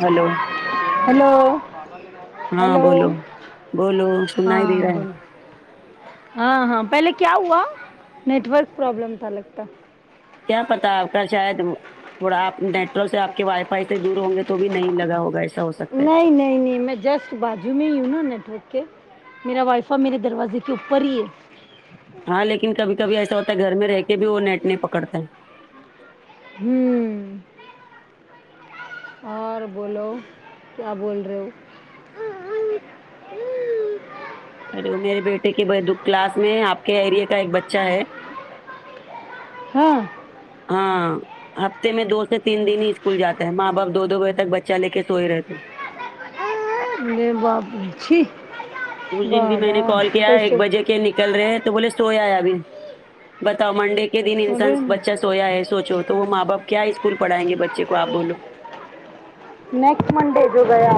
Hello hello ہاں hello بولو بولو سنائی ہاں دے رہا ہے بولو ہاں ہاں پہلے کیا ہوا نیٹورک پرابلم تھا لگتا کیا پتہ آپ کا شاید تھوڑا آپ نیٹ ورک سے آپ کے وائی فائی سے دور ہوں گے تو بھی نہیں لگا ہوگا ایسا ہو سکتا ہے نہیں نہیں میں جسٹ تو باجو میں ہو نا نیٹ ورک کے میرا واںی فاںی میرے دروازے کے اوپر ہی ہے ہاں لیکن کبھی کبھی ایسا ہوتا ہے گھر میں رہ کے بھی وہ نیٹ نہیں پکڑتا ہے امم اور بولو کیا بول رہے ہو ہیلو میرے بیٹے کے بازو کلاس میں آپ کے ایریے کا ایک بچہ ہے ہاں ہاں ہفتے میں دو سے تین دن ہی اسکول جاتا ہے ماں باپ دو بجے تک بچہ لے کے سوئے رہتے ہیں ارے باپ رے چھی اس دن بھی واہ میں نے واہ کال کیا ایک کیسے بجے ک نکل رہے ہیں تو بولے سویا ہے ابھی بتاؤ منڈے کے دن انسان ارے بچا سے سویا ہے سوچو تو وہ ماں باپ کیا اسکول پڑائیں گے بچے کو آپ بولو نیکسٹ منڈے جو گیا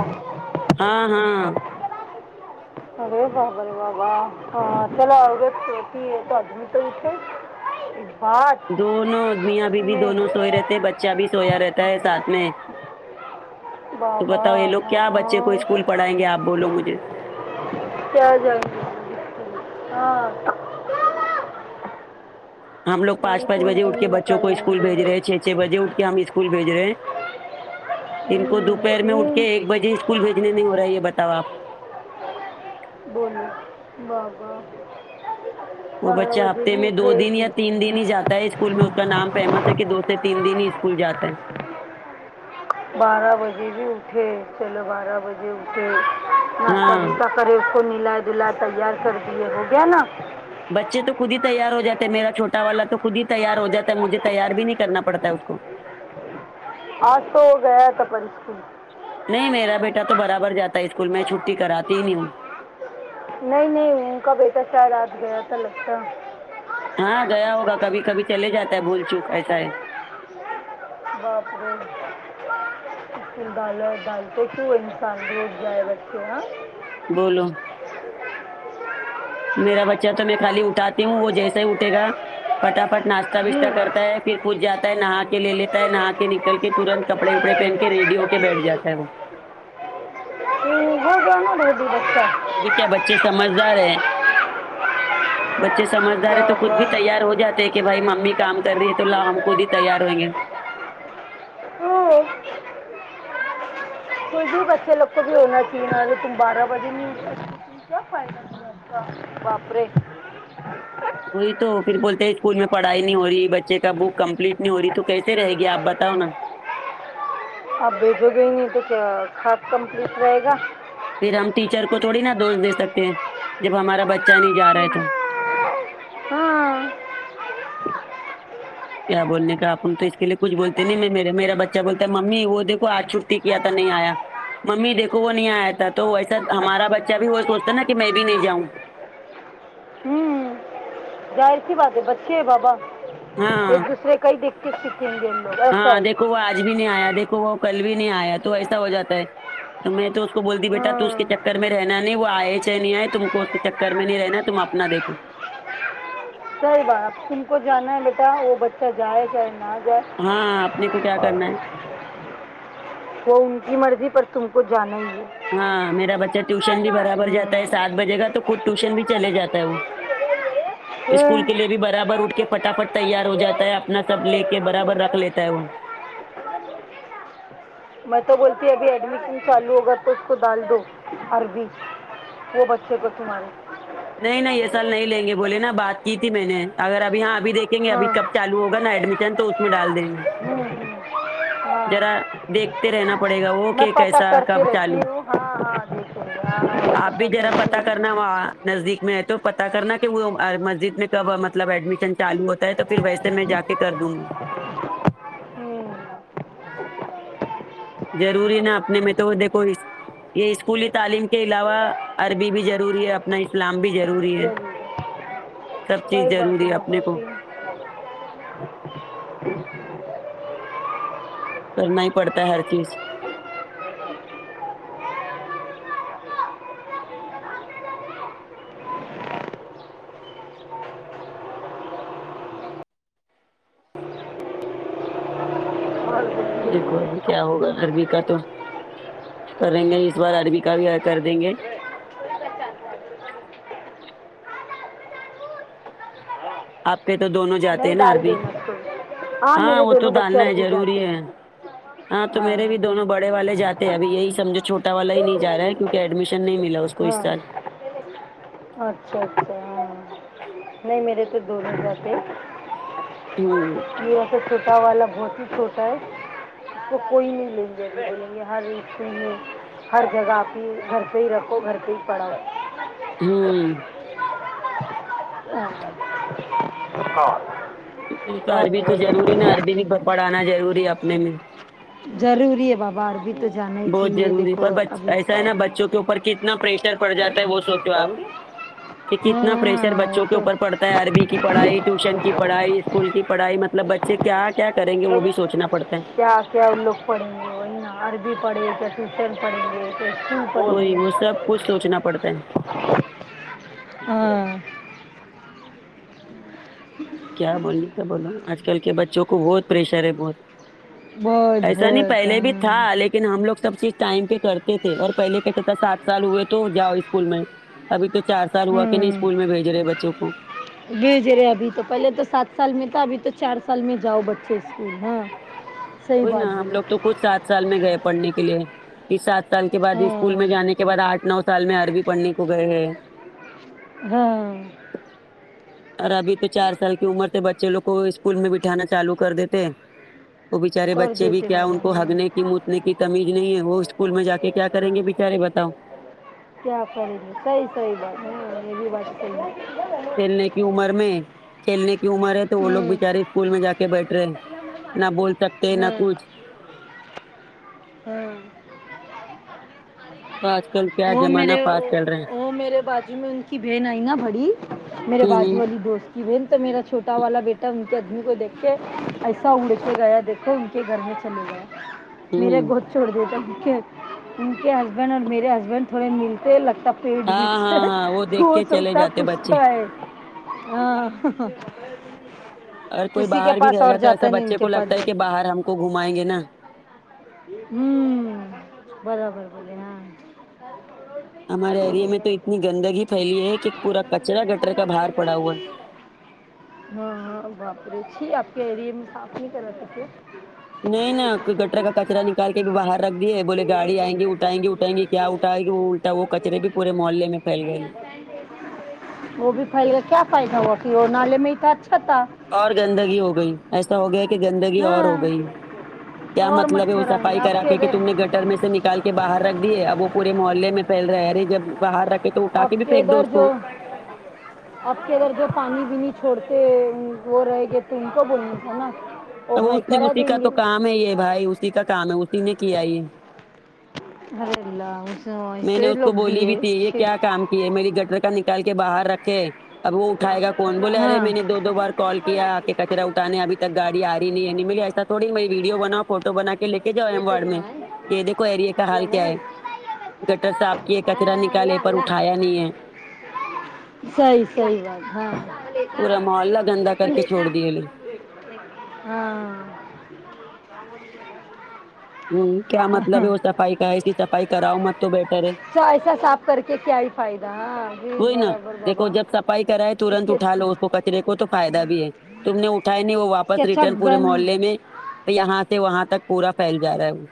ہاں ہاں ارے بابارے بابا ہاں کہاں سے لاؤ گے [unintelligible] اوئ دونوں میاں بیوی بھی دونوں سوئے رہتے ہیں بچہ بھی سویا رہتا ہے ساتھ میں تو بابا بتاؤ یہ لوگ کیا بچے کو ہاں اسکول پڑھائیں گے آپ بولو مجھے کیا جائیں گے ہاں ہم لگ پانچ وہیں پانچ تم بجے اٹھ دن کے بچوں نکال کو لیں اسکول گے بھیج رہے ہیں چھ چھ بجے اٹھ ہم اسکول بھیج رہے ہیں ان کو ہوں، دوپہر میں اٹھ ہوں، کے ایک بجے اسکول بھیجنے نہیں ہو رہا ہے یہ بتاؤ آپ بولی بابا وہ بارہ بچہ بجے ہفتے بھی میں دو اٹھے دن گی یا تین دن ہی جاتا ہے اسکول میں اس کا نام فیمس ہے کہ دو سے تین دن ہی اسکول جاتا ہے بارہ بجے بھی اٹھے چلو بارہ بجے اٹھے ناشتہ ہاں وشتہ کرری اس کو نیلا دھلائے تیار کر دے ہو گیا نا بچے تو خود ہی تیار ہو جاتے ہیں میرا چھوٹا والا تو خود ہی تیار ہو جاتا ہے مجھے تیار نہیں کرنا پڑتا اس کو آج تو ہو گیا تھا پرشکن نہیں میرا بیٹا تو برابر جاتا ہے اسکول میں چھٹی کراتی ہی نہیں ہوں نہیں نہیں ان کا بیٹا شاید آج گیا تھا لگتا ہے ہاں گیا ہوگا کبھی کبھی چلے جاتا ہے بھول چوک ایسا ہے باپ رے چک دالا ڈال تو کیوں سینڈوچ جائے توہ ہاں بولو میرا بچہ تو میں خالی اٹاتی ہوں وہ جیسا ہی اٹے گا پٹافٹ ناشتہ وشہ ہوں کرتا ہے پھر خود جاتا ہے نہا کے لے لیتا ہے نہا کے نکل کے ترنت کپڑے وپڑے پہن کے ریڈی کے بیٹھ جا ہے وہ [unintelligible] ابھی کیا بچے سمجھدار ہے بچے سمجھدار ہے تو خود بابا بھی تیار ہو جاتے ہیں کہ بھائی ممی کام کر رہی ہے تو لاؤ ہم خود ہی تیار ہوں گے او کوئی بھی بچے لگ بھی ہونا چاہیے تم بارہ بجے نہیں اٹھتے کیا فدہ [unintelligible] بابری وہی تو پھر بولتے ہیں اسکول میں پڑھائی نہیں ہو رہی بچے کا بک کمپلیٹ نہیں ہو رہی تو کیسے رہے گی آپ بتاؤ نا آپ بھیجو گے نہیں تو کیا کھاد کمپلیٹ رہے گا پھر ہم ٹیچر کو تھوڑی نا دوش دے سکتے ہیں جب ہمارا بچہ نہیں جا رہا ہے تو ہاں کیا بولنے کا اپن تو اس کے لیے کچھ بولتے نہیں میرا بچہ بولتا ممی وہ دیکو آج چھٹی کیا تھا نہیں آیا ممی دیکھو وہ نہیں آیا تھا تو ویسا ہمارا بچہ بھی وہ سوچتا نا کہ میں بھی نہیں جاؤں ہوں ظاہر سی بات ہے بچے ہے بابا ایک ہاں دوسرے کائی دیکھ کے سکھیں گے ہاں [unintelligible] دیکھو وہ آج بھی نہیں آیا دیکھو وہ کل بھی نہیں آیا تو ایسا ہو جاتا ہے تو میں تو اس کو بولتی بیٹا تو اس کے ہاں چکر میں رہنا نہیں وہ آئے چاہے نہیں آئے تم کو اس کے چکر میں نہیں رہنا تم اپنا دیکھو کوںی بات سن کے جانا ہے بیٹا وہ بچہ جائے چاہے نہ جائے ہاں اپنے کو کیا کرنا ہے وہ ان کی مرضی پر تم کو جانا نہیں ہے ہاں میرا بچہ ٹیوشن بھی برابر جاتا ہے ہوں ساتھ بجے گا تو خود ٹیوشن بھی چلے جاتا ہے وہ اسکول ہوں، کے لیے بھی برابر اٹھ کے پٹافٹ تیار ہو جاتا ہے اپنا سب لے کے برابر رکھ لیتا ہے وہ ب میں تو بولتی ابھی ایڈمیشن چالو ہوگا تو اس کو ڈال دو عربی وہ بچے کو تمہارے نہیں نہیں یہ سال نہیں لیں گے بولے نا بات کی تھی میں نے اگر اب یہاں ابھی دیکھی دکھےگے ہاں ابھی کب چالو ہوگا نہ ایڈمیشن تو اس میں ڈال دیں گے ہوں، ہوں، ذرا ہاں دیکھتے رہنا پڑے گا وہ میں کہ پتہ کیسا کرتی کب رہتی چالو ہوں ہاں ہاں دیکھیں گے ہاں ہاں، میں آپ پتہ بھی ذرا کرتی پتا ہوں کرنا وہا نزدیک میں ہے تو پتا کرنا کہ وہ مسجد میں کب مطلب ایڈمیشن چالو ہوتا ہے تو پھر ویسے میں جا کہ کر دوں گی امم ضروری نا اپنے میں وہ تو دیکھو یہ اسکولی تعلیم کے علاوہ عربی بھی ضروری ہے اب اپنا اسلام بھی ضروری ہے ضرور سب چیز صحیح بات ضروری ہے اپنے بابا کو پھر کرنا ہی پڑتا ہے ہر چیز اور بولیے دیکھو ابھی کیا ہوگا عربی کا تو کریں گے اس بار عربی کا بھی ایڈ کر دیں گے آپ کے تو دونوں جاتے نہیں ہیں نا ڈال عربی دینا اس کو ہاں میرے وہ تو دونوں بچے ڈالنا ہے عربی ضروری جاتے ہے ہاں تو میرے بھی دونوں بڑے والے جاتے ہے اب یہی سمجھو چھوٹا والا ہی نہیں جا رہا ہے کیونکے ایڈمیشن نہیں ملا اس کو کو اس ہاں سال اچھا اچھا ہاں نہیں میرے تودونو جاتے ہے امم یہ ایسے چھوٹا والا بہت ہی چھوٹا ہے اس کو کوئی نہیں لیں گےلیں گے ہر ایک سے نے ہر جگہ اپنی گھر پہ ہی رکھو گھر پہ ہی پڑھاؤ امم ہ [unintelligible] کیونکہ عربی تو ضروری نے عربی میں پڑھانا ضروری ہے اپنے میں جروری ہے بابا عربی تو جانا ہی بہت چاہیے ضروری ہے دیکھو پر ابھی ایسا ہے نا بچوں کے اوپر کتنا پریشر پڑ جاتا ہے وہ سوچو آپ کیونکہ ہاں کتنا پریشر ہاں، وہ بچوں کے تو اوپر پڑتا ہے عربی کی پڑھائی ٹیوشن کی پڑھائی اسکول کی پڑھائی مطلب بچے کیا کیا کریں گے وہ بھی ربی سوچنا پڑتا ہے کیا کیا یہ لوگ پڑھیں گے عربی پڑھیں گے کیا ٹیوشن پڑھیں گے وہی وہ سب کچھ سوچنا پڑتا ہے ہاں کیا بولنے کا بولو آج کل کے بچوں کو بہت پریشر ہے بہت بہت ایسا نہیں بہت پہلے ہاں بھی تھا لیکن لیکن ہم لگ سب چیز ٹائم پہ کرتے تھے اور پہلے کہ تھا سات سال ہوئے تو جاؤ اسکول میں ابھی تو چار سال ہوا کہ نہیں ہوں اسکول میں بھیج رہے بچوں کو بھیج رہے ابھی تو پہلے تو سات سال میں تھا ابھی تو چار سال میں جاؤ بچے اسکول ہاں صحیح وہ ہی نا بات ہم بولی لوگ تو خود سات سال میں گئے پڑھنے کے لیے کہ سات سال کے بعد اسکول ہاں میں جانے کے بد آٹھ نو سال میں عربی پڑھنے کو گئے ہیں ہاں اور ابھی تو چار سال کی عمر تھے بچے لوگ کو اسکول میں بٹھانا چالو کر دیتے ہیں وہ بچارے کر بچے بھی دیتے کیا ان بابا کو ہاں ہگنے کی متنے کی کمیز نہیں ہے وہ اسکول میں جا کے کیا کریں گے بچارے بتاؤ کیا کریں گے صحیح صحیح بات یہ ہمے بھی بات صحیح ہے کھیلنے کی عمر میں کھیلنے کی عمر ہے تو وہ لوگ ہوں بچارے اسکول میں جا کے بیٹھ رہے نہ بول سکتے ہیں نہ ہاں کچھ ہاں تو آج کل کیا وہ زمانہ میرے پاس چل رہا ہے وہ میرے بجو میں کی بہن آئی نا بڑی میرے ہ بجو والی دوست کی بہن تو میرا چھوٹا والا بیٹا آدمی کو دیکھ کے ایسا اڑ کے گیا دیکھ کے ان کے گھر میں چلے گئے ہ میرے ہ گودھ چھوڑ دیکے ان کے ہسبینڈ اور میرے ہسبینڈ تھوڑے ملتے لگتا پیٹ بھی ہاں ہے ہاں ہاں وہ تو دیکھ ہو کے چلے سکتا جاتے کچھ بچے توہ ہے ہاں اورگر کوئی کسی کے باہر بھی پاس رہے اور گا تو ایسا جاتا نہیں ان بچے کے کو پاس لگتا ہے کہ جو باہر ہم کو گھمائیں گے نا ہمم برابر بولے ہاں ہمارے ایریے میں تو اتنی گندگی پھیلی ہے کہ پورا کچرا گٹر کا باہار پڑا ہوا ہے ہاں ہاں باپرے چھی آپ کے ایریے میں صاف نہیں کراتے کیا نہیں نہ گٹر کا کچرا نکال کے بھی باہر رکھ دیے ہے بولے گاڑی آئ گی اٹھائ گی اٹھائ گی کیا اٹائے گی وہ الٹا وہ کچرے بھی پورے موحلے میں پھیل گئی وہ بھی فائی گا کیا فائدا ہوا کہ وہ نالے میں ہی تو اچھا تھا اور گندگی ہو گئی ایسا ہو گیا کہ گندگی اور ہو گئی ہاں کیا اور مطلب ہے وہ مچھر آئیں گے صفائی آپ کرا کے کہ ادھر تم نے گٹر گھر میں سے نکال کے باہر رکھ دیے اب وہ پورے محلے میں پھیل رہے ہے ارے جب باہر رکھ تو اٹھا آپ کے بھی پھینیک دو ادھر اس کو جو آپ کے ادھر جو پانی بینی چھوڑتے وہ رہ گئے تو ان کو بولنا تھا نا وہ تو بھائی اس نے کرا اسی کا دیں گے تو کام ہے یہ بھائی اسی کا کام ہے اسی نے کیا یہ ارے اللہ اس میں نے ایسے اس کو لوگ بھی بولی ہے تھی یہ چھی۔ کیا کام کیہ ہے میری گٹر کا نکال کے باہر رکھے اب وہ اٹھائے گا کون بولے ارے ہاں میں نے دو دو بار کال کیا کہ کچر اٹھانے اھی تک گاڑی رہی نہیں ہے ملے ایسا تھوڑی می ویڈیو بناؤ فوٹو بنا کے لیک حال کیا ہے [inaudible] گٹر سےا آپ کی یہ کچرا ہاں نکالے لا پر لا اٹھایا نہیں ہے صحیح صحیح بات ہاں پورا محلہ گندا کر کے چھوڑ دیے لے ہاں ہوں کیا مطلب ہے ہاں وہ صفائی کا ایی صفائی کراؤ مت تو بیٹر ہے توہ ایسا صاف کر کے کیا ہی فائدہ ہ وہ ہی نا دیکھو جب صفائی کرائے اس ترنت کے اٹھا لو اس کو کچرے کو تو فائدہ بھی ہے تم نے اٹھائے نہیں وہ کے واپس اچھا ریٹرن پورے گن محلے میں تو یہاں سے وہاں تک پورا پھیل جا رہا ہے وہ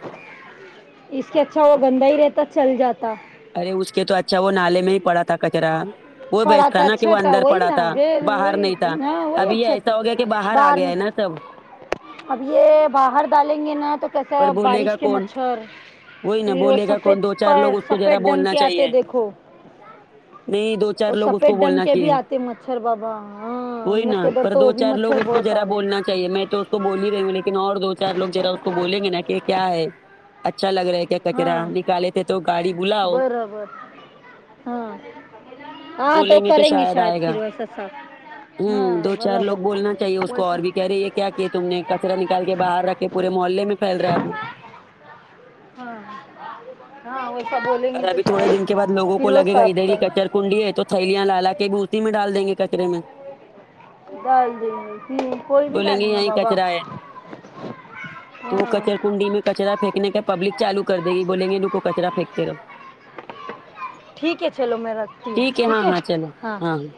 اس سے اچھا وہ گندا ہی رہتا چل جاتا ارے اس کے تو اچھا وہ نالے میں ہی پڑا تھا کچرا وہ ہی پڑا بیسٹ تھا تو نا کہ اچھا وہ تھا اندر وہی پڑا نا تھا پھر باہر وہی نہیں تھا ہاں وہی ابھی یہ اچھا تھا ایسا ہو گیا کہ باہر آ گیا ہے نا سب اب یہ باہر ڈالیں گے نا تو کیسا پر بولے گا بارش کے کون مچھر وہی نا پھر وہ بولے گا سفید کون دو چار پر لوگ اس کو ذرا سفید ڈنگ بولنا کے آتے چاہیے دیکھو نہیں دو چار وہ لوگ اس کو سفید ڈنگ بولنا کے چاہیے بھی آتے مچھر بابا ہاں وہی ہم لوگ نا کے ادھر پر تو دو وہ بھی چار لوگ مچھر اس کو بہت ذرا آ رہے بولنا چاہیے میں تو اس کو بول ہی رہی ہوں لیکن اور دو چار لوگ ذرا اس کو بولیں گے نا کہ ایک کیا ہے اچھا لگ رہا ہے کیا کچرا ہاں نکالے تھے تو گاڑی بلاؤ برابر ہاں ہاں تو بولیں گے کریں گی شاید آئے گا پھر ویسا سب ہوں دو چار لوگ بولنا چاہیے اس کو ویسا اور بھی کہہ رہی ہے کیا کہ تم نے کچرا نکال کے باہر رکھے پورے محلے میں پھیل رہا ہے وہ ہاں ہاں ویسا بولیں اور گے تو ابھی تھوڑے شاید دن کے بعد لوگوں پھر کو وہ لگے گا صاف ادھر ہی کر کچر کنڈی ہے تو تھیلیاں لالا کے بوتی میں ڈال دیں گے کچرے میں ڈال دے کوئی بھی بولیں گے ڈالنی گا یہیں بابا کچرا ہے تو وہ ہاں کچر کنڈی میں کچرا پھینکنے کے پبلک چالو کر دے گی بولیں گے روکو کچرا پنیکتے رہو ٹھیک ہے چلو میں رکھتی ہوں ٹھیک ہے ہاں ہاں چلو ہاں ہاں